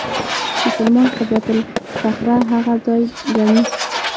مسلمانان قبه الصخره هغه ځای ګڼي.